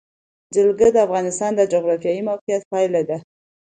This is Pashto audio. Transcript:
جلګه د افغانستان د جغرافیایي موقیعت پایله ده.